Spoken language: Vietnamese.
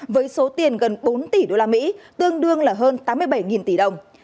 với số tiền gần bốn tỷ đô la mỹ tương đương là hơn tám mươi bảy tỷ đồng